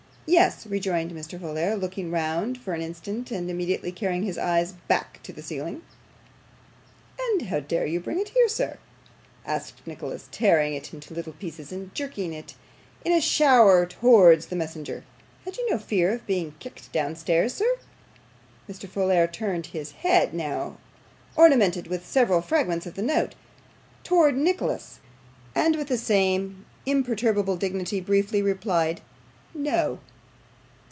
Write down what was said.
'Yes,' rejoined Mr. Folair, looking round for an instant, and immediately carrying his eyes back again to the ceiling. 'And how dare you bring it here, sir?' asked Nicholas, tearing it into very little pieces, and jerking it in a shower towards the messenger. 'Had you no fear of being kicked downstairs, sir?' Mr. Folair turned his head now ornamented with several fragments of the note towards Nicholas, and with the same imperturbable dignity, briefly replied 'No.